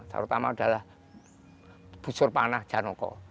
sarotama adalah busur panah janoko